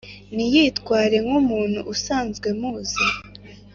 ,ntiyitware nk’umuntu usanzwe muzi